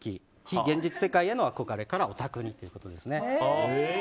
非現実世界への憧れからオタクにということですね。